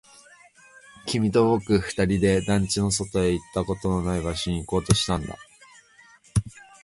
君と僕二人で団地の外、行ったことのない場所に行こうとしたんだ